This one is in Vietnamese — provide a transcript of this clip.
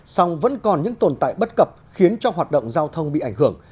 song vẫn còn những tồn tại bất cập khiến cho hoạt động giao thông bị ảnh hưởng